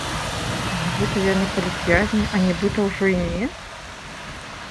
Нібыта яны палітвязні, а нібыта ўжо і не?